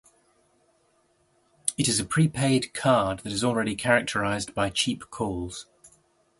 It is a prepaid card that is already characterized by cheap calls.